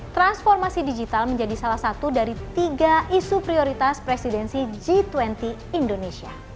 transformasi digital menjadi salah satu dari tiga isu prioritas presidensi g dua puluh indonesia